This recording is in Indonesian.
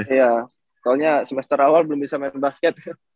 iya soalnya semester awal belum bisa main basket